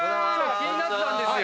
気になってたんですよ。